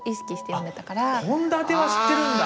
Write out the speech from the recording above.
「献立」は知ってるんだ！